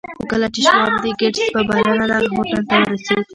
خو کله چې شواب د ګيټس په بلنه دغه هوټل ته ورسېد.